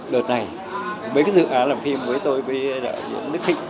đợt này mấy cái dự án làm phim với tôi với đạo diễn đức thịnh